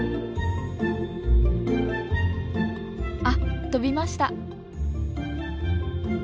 あっ飛びました。